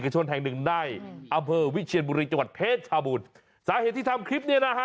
สาเหตุที่ทำคลิปนี้นะฮะ